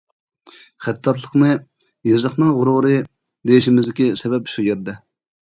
خەتتاتلىقنى «يېزىقنىڭ غۇرۇرى» دېيىشىمىزدىكى سەۋەب شۇ يەردە.